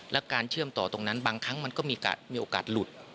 และการเชื่อมต่อตรงนั้นบางครั้งมันก็มีโอกาสหลุด